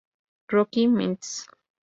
Rocky Mts.